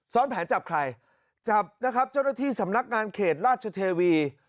แผนจับใครจับนะครับเจ้าหน้าที่สำนักงานเขตราชเทวี